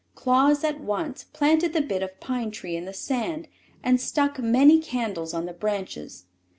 Claus at once planted the bit of pine tree in the sand and stuck many candles on the branches.